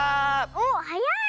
おっはやい！